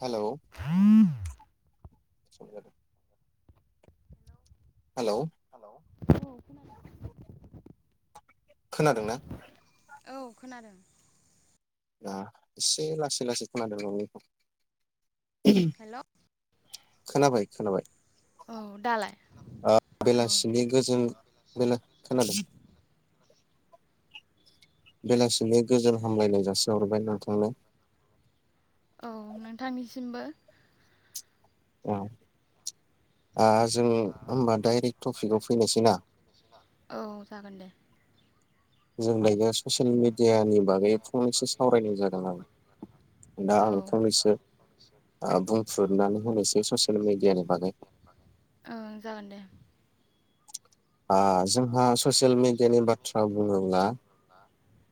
हेल' सम जादों हेल' [inaudible] खोनादोंना? औ खोनादों एसे लासै लासै खोनादोंमोन नोंनिखौ। हेल' खोनाबाय खोनाबाय। औ दालाय? औ बेलासिनि गोजोन बेला खोनादों बेलासिनि गोजोन हामलायनाय जासिहरबाय नोंथांनो। औ नोंथांनिसिमबो औ ओ जों होमबा डाइरेक्ट टपिकआव फैनोसै ना? औ जागोन दे जों गायगा ससियेल मिडियानि बागै फंनैसो सावरायनाय जादों आरो दा औ आं फंनैसो ओ बुंफ्रुनानै होनोसै ससियेल मिडियानि बागै। ओं जागोन दे ओ जोंहा ससियेल मिडियानि बाथ्रा बुङोब्ला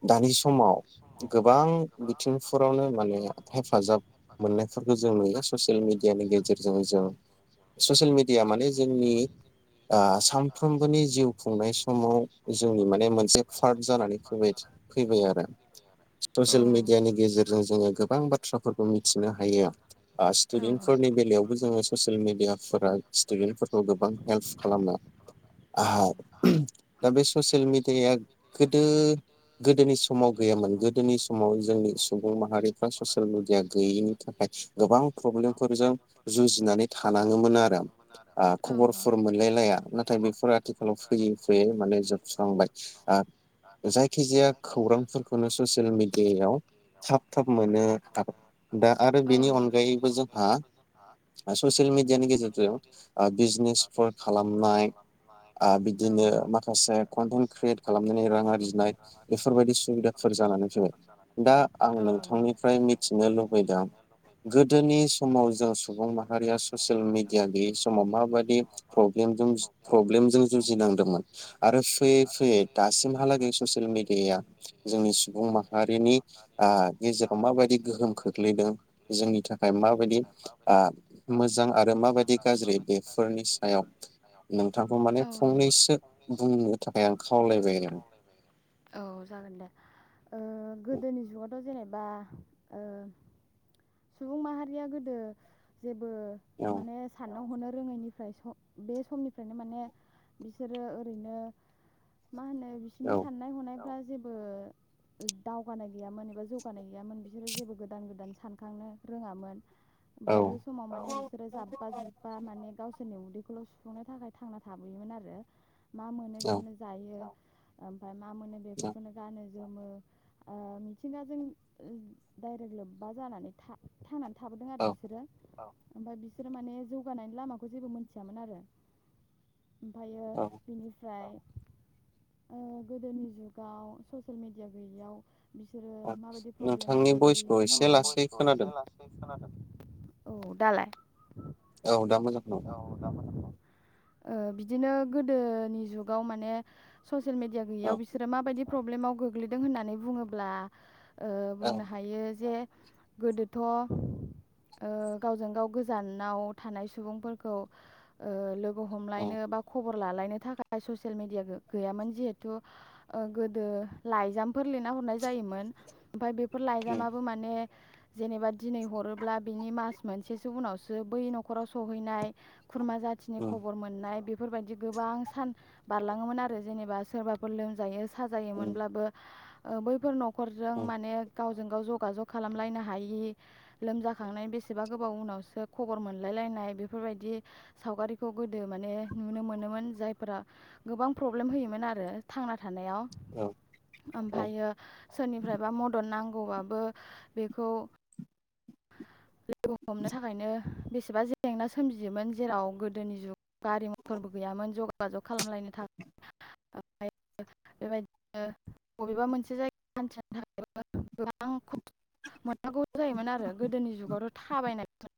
दानि समाव गोबां बिथिंफोरावनो माने हेफाजाब मोननायफोरखौ जों नुयो ससियेल मिडियानि गेजेरजों जों ससियेल मिडिया माने जोंनि ओ सानफ्रोमबोनि जिउ खुंनाय समाव जोंनि माने मोनसे पार्ट जानानै फैबाय आरो औ ससियेल मिडियानि गेजेरजों जोङो गोबां बाथ्राफोरखौ मिथिनो हायो ओ औ स्टुडेन्टफोरनि बेलायावबो जोङो ससियेल मिडियाफोरा स्टुडेन्टफोरखौ गोबां हेल्प खालामो। औ आहार दा बे ससियेल मेडियाया गोदो गोदोनि समाव गैयामोन गोदोनि समाव जोंनि सुबुं माहारिफ्रा ससियेल मिडिया गैयिनि थाखाय गोबां प्रब्लेमफोरजों जुजिनानै थानाङोमोन आरो ओ खबरफोर मोनलायलाया नाथाय बे आथिखालाव फैयै फैयै माने जोबस्रांबाय ओ जाय या खौरांफोरखौनो ससियेल मिडियायाव थाब थाब मोनो हा दा आरो बेनि अनगायैबो जोंहा ससियेल मिडियानि गेजेरजों ओ बिजनेसफोर खालामनाय ओ बिदिनो औ माखासे कन्टेन्ट क्रियेट खालामनानै रां आरजिनाय बेफोरबायदि सुबिदाफोर जानानै फैबाय दा आं नोंथांनिफ्राय मिथिनो लुबैदों गोदोनि समाव जों सुबुं माहारिया ससियेल मिडिया गैयि समाव माबायदि प्रब्लेमजों प्र प्रब्लेमजों जुजिनांदोंमोन आरो फैयै फैयै दासिमहालागै ससियेल मेडियाया जोंनि सुबुं माहारिनि ओक्षगेजेराव माबायदि गोहोम खोख्लैदों जोंनि थाखाय माबायदि मोजां आरो माबायदि गाज्रि बेफोरनि सायाव नोंथ बिथांखौ माने आं फंनैसो बुंनो थाखाय आं खावलायबाय आरो। औ जागोन दे। ओ गोदोनि जुगावथ' जेनेबा बा ओ सुबुं माहारिया गोदो जे बो औ माने साननो हनो [unintelligible] रोङैनिफ्राय बे समनि फ्रायनो माने बिसोरो ओरैनो मा होनो बिसोरनि औ साननाय-हनायफ्रा जेबो दावगानाय गैयामोन एबा जौगानाय गैयामोन बिसोरो जेबो गोदान गोदान सानखांनो रोङामोन। ओमफाय बे समाव माने बिसोरो जाब्बा जुब्बा माने गावसो जोंनि उन्दैखौल' सुफुंनो थाखाय थांना थाबोयोमोन आरो मा मोनो औ बेखौनो जायो। आ ओमफ्राय मा मोनो औ बेफोरखौनो गानो ओ मिथिंगाजों [unintelligible] इरेक्ट लोब्बा जानानै थानानै थाबोदों आरो औ बिसोरो औ ओमफ्राय बिसोरो माने जौगानायनि लामाखौ जेबो मोनथियामोन आरो। ओमफ्रायो औ बिनिफ्राय गोदोनि जुगाव ससियेल मेडिया गैयैयाव बिसोरो औ माबायदि प्रब्लेमाव नोंथांनि भइसखौ गोग्लैयोमोन एसे नोंथांनि लासै भयसखौ खोनादों एसे लासै खोनादों औ दालाय? औ दा मोजां खोनाबाय। ओ बिदिनो गोदोनि जुगाव माने ससियेल मिडिया औ गैययाव बिसोर माबायदि प्रब्लेमाव गोग्लैदों होननानै बुङोब्ला ओ औ बुंनो हायो जे गोदोथ' ओ गावजों गाव गोजानाव थानाय सुबुंफोरखौ ओ लोगो औ हमलायनो बा खबर खबर लालायनो थाखाय ससिल मेडिया गै-गैयामोन जिहेथु गोदो लाइजामफोर लिरना हरनाय जायोमोन ओमफ्राय बे बेफोर लाइजामाबो माने जेनेबा दिनै हरोब्ला बिनि मास मोनसेसो उनावसो बै न'खराव सहैनाय खुरमा जाथि औ खबर मोननाय बेफोरबायदि गोबां सान बारलाङोमोन आरो जेनेबा सोरबाफोर लोमजायो साजायोमोनब्लाबो ओ बैफोर नखर नखरजों माने गावजों गावजों गाव जगाजग खालामलायनो हायि लोमजाखांनाय बेसेबा गोबाव उनावसो खबर मोनलायलायनाय बेफोरबायदि सावगारि खौ गोदो माने नुनो मोनोमोन जायफोरा गोबां प्रब्लेम होयोमोन आरो थांना थानायाव औ औ ओमफायो सोरनिफ्रायबा मदद नांगौ गौ बाबो बेखौ हमनो थाखायनो बेसेबा जेंना सोमजियोमोन जेराव गोदोनि जुगाव [inaudible] गारि [inaudible] मथरबो [inaudible] गैयामोन [inaudible] जगाजग [inaudible] खालामलायनो [inaudible] थाखाय [inaudible] ओमफ्राय [inaudible] बेबायदिनो [inaudible] बबेबा [inaudible] मोनसे [inaudible] जायगायाव [inaudible] हान्थिनो थाखाय गोबां खस्थ' मोननांगौ जायोमोन आरो गोदोनि जुगावथ' थाबायनानै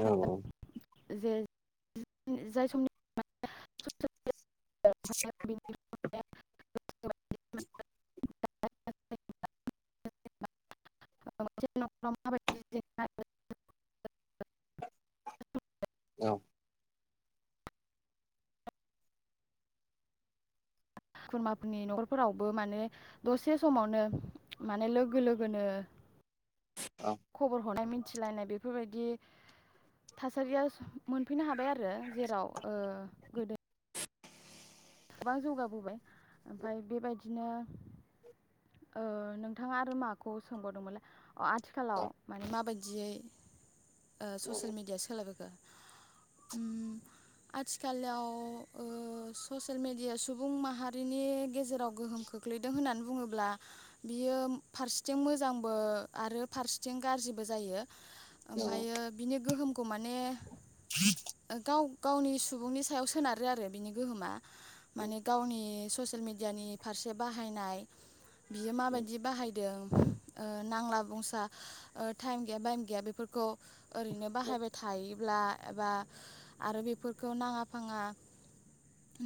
औ औ जे जाय समनि [unintelligible] [inaudible] [unintelligible] [unintelligible] [unintelligible] औ खुरमाफोरनि न'खरफोरावबो माने दसे समावनो माने लोगो लोगोनो औ खबर हरनाय मि मिथिलायनाय बेफोरबायदि थासारिया मोनफैनो हाबाय आरो यो जेराव ओ गोदोनि गोबां जौगाबोबाय ओमफाय बेबायदिनो ओ नोंथाङा आरो माखौ सोंबावदोंमोनलाय? अ आथिखालाव माने माबायदि दियै ओ ससियेल मिडिया सोलायबोखो ओम आथिखालाव ओ ससियेल मेडियाया सुबुं माहारिनि गेजेराव गोहोम खोख्लैदों होननानै बुङोब्ला बियो फारसेथिं मोजांबो आरो फारसेथिं गाज्रिबो जायो। ओमफ्रायो बिनि गोहोम गौ माने गाव गावनि सुबुंनि सायाव सोनारो आरो बिनि गोहोमा माने गावनि ससियेल मिडियानि फारसे बाहायनाय। बियो माबायदि बाहायदों ओ नांला बुंसा ओ टाइम गैया बाइम गैया बेफोरखौ ओरैनो बाहायबाय थायो ब्ला एबा आरो बेफोरखौ नाङा फाङा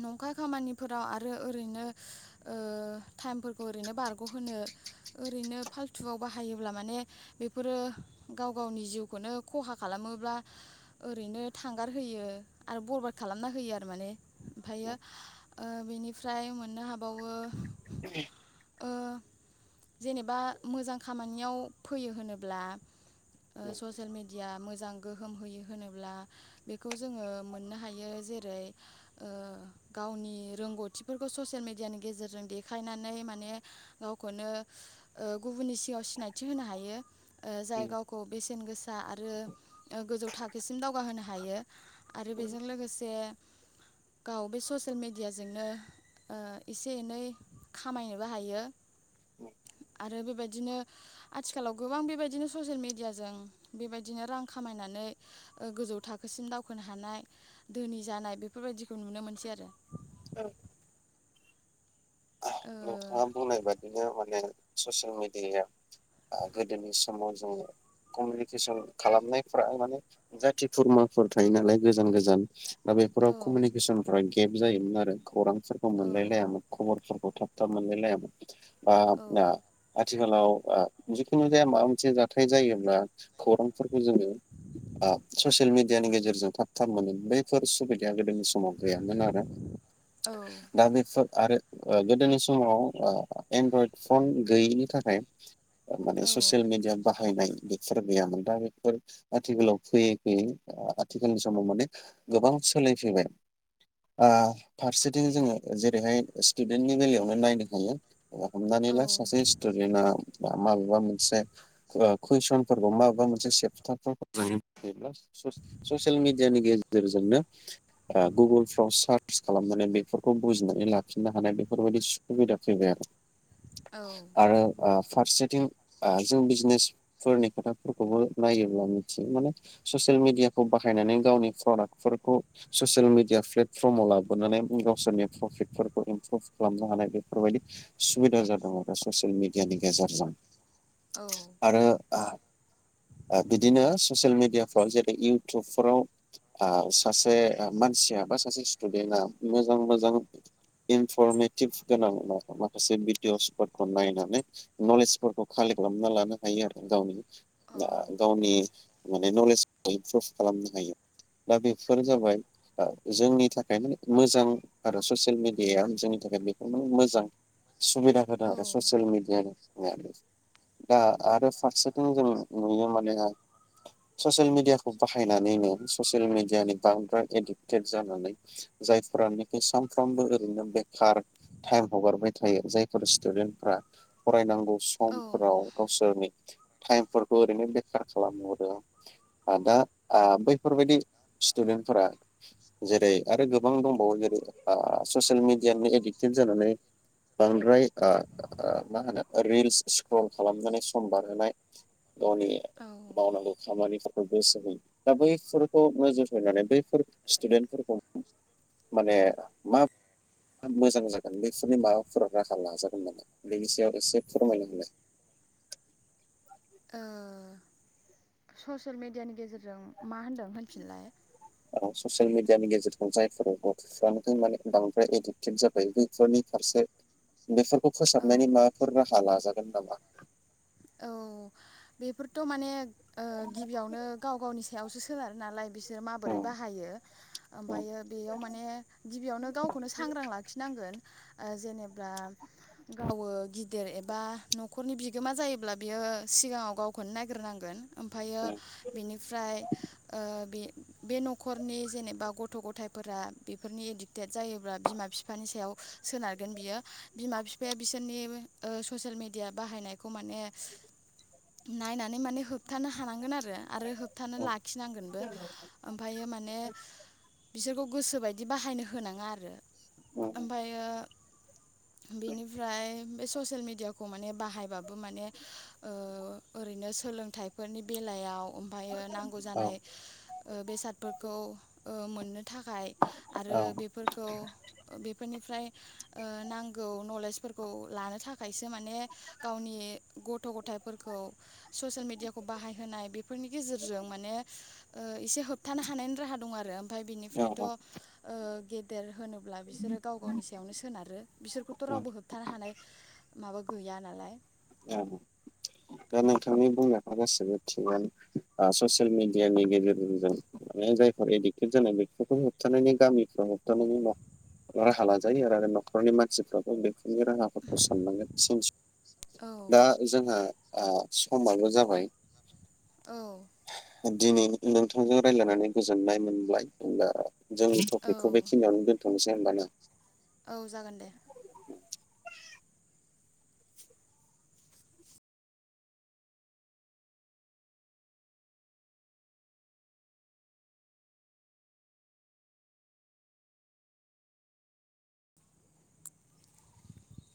नंखाय खामानिफोराव आरो ओरैनो ओ टाइमफोरखौ ओरैनो बारग'होनो ओरैनो फाल्थुआव बाहायोब्ला माने बेफोरो गाव गावनि जिउखौनो खहा खालामोब्ला ओरैनो थांगारहोयो आरो बरबाद खालामना होयो आरो माने। ओमफायो ओ बेनि फ्राय मोननो हाबावो [unintelligible] ओ जेनेबा मोजां खामानियाव फैयो होनोब्ला ओ ससियेल मिडिया मोज मोजां गोहोम होयो होनोब्ला बेखौ जोङो मोननो हायो जेरै ओ गावनि रोंगौथिफोरखौ ससियेल मेडियानि गेजेरजों देखायनानै माने गावखौनो ओ गुबुननि सिगाङाव सिनायथि होनो हायो। ओ जाय गावखौ बेसेन गोसा सा आरो ओ गोजौ थाखोसिम दावगाहोनो हायो। आरो बेजों लोगोसे गाव बे ससियेल मेडियाजोंनो ओ एसे एनै खामायनोबो हायो आरो बेबायदिनो आथिखालाव गोबां बेबायदिनो ससियेल मेडियाजों बेबायदिनो रां खामायनानै ओ गोजौ थाखोसिम दावखोनो हानाय धोनि जानाय बेफोरबाय जों नुनो मोनसै आरो नोंथाङा बुंनाय बादिनो माने ससियेल मिडिया ओ गोदोनि समाव जोङो कमिउनिकेसन खालामनायफ्रा माने जाथि खुरमाफोर थायो नालाय गोजान गोजान दा बेफोराव ओ कमिउनिकेसनफ्रा गेब जायोमोन आरो। खौरांफोरखौ औ मोनलायलायामोन फोरखौ थाब थाब मोनलायलाय लायामोन। बा [unintelligible] औ आथिखाल आथिखालाव अ जिखुनु जाया माबा मोनसे जाथाय जायोब्ला खौरांफोरखौ जोङो अ ससियेल मिडियानि गेजेरजों थाब थाब मोनो बैफोर सुबिदाया गोदोनि सम समाव गैयामोन आरो औ दा बेफोर आरो ओ गोदोनि समाव ओ एन्ड्रइड फन गैयैनि थाखाय आ माने ससियेल मिडिया बाहायनाय बेफोर गैयामोन दा बेफोर आथिखालाव फैयै फैयै ओ आथिखालनि समाव माने गोबां सोलायफैबाय ओ फारसेथिं जोङो जेरैहाय स्टुदेन्टनि बेलायावनो नायनो हागोन। हमनानै औ ला सासे स्थुदेन्था ओ माबेबा मोनसे ओ कुइसनफोरखौ माबेबा मोनसे सेपटारफोरखौ लायोब्ला स-ससियेल मिडियानि गेजेरजोंनो ओ गुगोल फाव सार्च खालामनानै बेफोरखौ बुजिनानै लाखि नो हानाय बेफोरबायदि सुबिदा फैबाय आरो। औ आरो ओ फारसे थिं जों बिजनेस फोरनि खोथाफोरखौबो नायोब्ला मिथियो माने ससियेल मिडियाखौ बाहायनानै गावनि प्रडाक्टफोरखौ ससियेल मिेडिया प्लेटफर्माव लाबोनानै गावसोरनि प्रफिट फोर इमप्रुभ खालामनो हानाय बेफोरबायदि सुबिदा जादों आरो ससियेल मिडियानि गेजेरजों। आरो आ ओ बिदिनो ससियेल मिडियाफ्राव जेरै इउटुबफोराव सासे मानसिया बा आ सासे स्टुडेन्टआ मोजां मोजां इनफरमेटिभ गोनां माखासे भिडिअ'सफोरखौ नायनानै नलेजफोरखौ कालेक्ट खालामना लानो हायो आरो गावनि ओ गावनि माने नलेजखौ इमप्रुभ खालामनो हायो दा बेफोर जाबाय ओ जोंनि थाखायनो मोजां आरो ससियेल मिडिया। दिया जोंनि थाखाय बेखौ माने मोजां। सुबिदा होदों आरो ससियेल मिडियानि दा आरो फारसेथिं जों नुयो माने ससियेल मिडियाखौ बाहायनानैनो ससियेल मिडियानि बांद्राय एडिक्टेड जानानै जायफोरानोखि सानफ्रोमबो बिनो बेखार टाइम हगारबाय थायो जायफोर स्टुदेन्टफ्रा फरायनांगौ औ समफोराव गावसोरनि टाइमफोरखौ ओरैनो बेखार खालामहरो दा आ बैफोरबायदि स्टुडेन्टफोरा जेरै आरो गोबां दंबावो जेरै आ ससियेल मिडियानि एडिक्टेड जानानै बांद्राय आ मा होनो रिल्स स्क्रल खालामनानै सम बारहोनाय गावनि औ ओ मावनांगौ खामानिखौ [unintelligible] दा बैफोरखौ नोजोर होनानै बैफोर स्टुडेन्टफोरखौ माने मा मोजां जागोन बेफोरनि माबाफोर राहा लाजागोन नालाय बेनि सायाव एसे फोरमायनो होनो। ओ ससिल मिडियानि गेजेरजों मा होनदों होनफिनलाय? औ ससियेल मिडियानि गेजेरजों जायफोर गथ'फ्रानो माने बांद्राय एडिक्टेड जाबाय बेैफोरनि फारसे बेफोरखौ औ फोसाबनायनि माबाफोर राहा लाजागोन नामा? औ बेफोरथ' माने ओ गिबियावनो गाव गावनि सायावसो सोनारो नालाय बिसोरो औ माबोरै बाहायो औ ओमफ्रायो बेयाव माने गिबियावनो गावखौनो सांग्रां लाखिनांगोन। ओ जेनेबा गावो गिदिर एबा न'खरनि बिगोमा जायोब्ला बियो सिगाङाव गावखौनो नायग्रोनांगोन। ओमफ्रायो बिनिफ्राय बे बे न'खरनि जेनेबा गथ' गथायाइफोरा बेफोरनि एडिक्टेड जायोब्ला बिमा बिफानि सायाव सोनारगोन बियो बिमा बिफाया बिसोरनि ससेयेल मेडिया बाहायनायखौ माने नायनानै माने होबथानो हानांगोन आरो आरो होबथानो औ लाखिनांगोनबो ओमफ्रायो माने बिसोरखौ गोसोबायदि बाहायनो। होनाङा आरो आरो औ ओमफ्रायो बेनिफ्राय बे ससियेल मिेडियाखौ माने बाहायबाबो माने ओरैनो सोलोंथाइफोरनि बेलायाव ओमफ्रायो नांगौ जानाय बेसादफोरखौ मोननो थाखाय आरो औ बेफोरखौ बेफोरनिफ्राय नांगौ नलेजफोरखौ लानो थाखायसो माने गावनि गथ' गथ' गथाइफोरखौ ससियेल मेदियाखौ बाहायहोनाय बेफोरनि गेजेरजों माने एसे होबथानो हानायनि राहा दं आरो ओमफ्राय बिनिफ्रायथ' औ गेदेर होनोब्ला बिसोरो गाव गावनि सायावनो सोनारो बिसोरखौथ' औ रावबो होबथानो हानाय माबा गैया नालाय औ दा नोंथांनि बुंनायफ्रा गासिबो ससियेल मिडियानि गेजेरजों माने जायफोर एडिकटेड जानाय बेफोरखौ होबथानायनि गामिफ्राव होबथानायनि राहा लाजायो आरो न'खरनि मानसिफ्राबो बे बिनि राहाफोरखौ साननांगोन। औ दा जोंहा समाबो जाबाय औ दिनै नोंथांजों रायज्लायनानै गोजोननाय मोनबाय होमबा जों औ टपिकखौ बेखिनियावनो दोनथ'नोसै दोननोसै होनबा ना? औ जागोन दे।